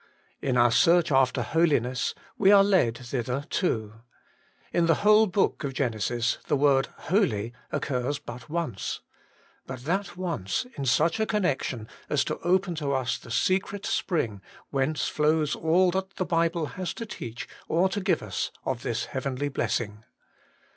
In our search after Holiness, we are led thither too. In the whole book of Genesis the word Holy occurs but once. But that once in such a connection as to open to us the secret spring whence flows all that the Bible has to teach or to give us of this heavenly blessing.